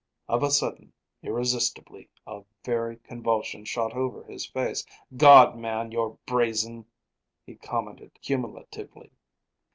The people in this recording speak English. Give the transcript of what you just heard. Of a sudden, irresistibly, a very convulsion shot over his face. "God, man, you're brazen!" he commented cumulatively.